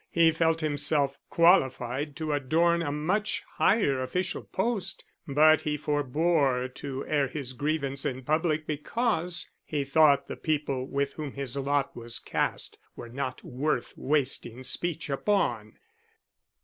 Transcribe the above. He felt himself qualified to adorn a much higher official post, but he forebore to air his grievance in public because he thought the people with whom his lot was cast were not worth wasting speech upon.